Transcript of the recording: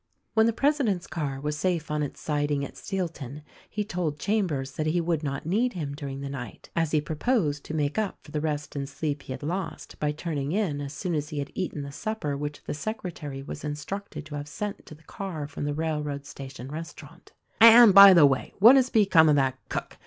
"When the president's car was safe on its siding at Steelton he told Chambers that he would not need him during the night, as he proposed to make up for the rest and sleep he had lost by turning in as soon as he had eaten the supper which the secretary was instructed to have sent to the car from the railroad station restaurant. "And, by the way, what has become of that cook?